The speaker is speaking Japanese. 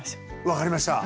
分かりました。